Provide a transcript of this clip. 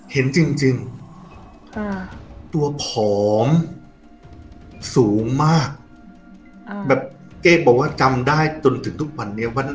เห็นจริงจริงอ่าตัวผอมสูงมากอ่าแบบเก้บบอกว่าจำได้จนถึงทุกวันเนี้ยว่า